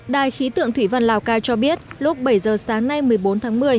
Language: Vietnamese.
đài khí tượng thủy văn lào cai cho biết lúc bảy giờ sáng nay một mươi bốn tháng một mươi